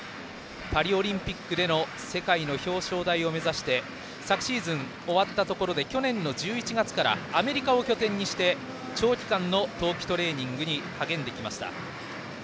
パリオリンピックでの世界の表彰台を目指して昨シーズン終わったところで去年の１１月からアメリカを拠点にして長期間の冬季トレーニングに励んできました。